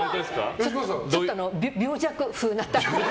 ちょっと病弱風な。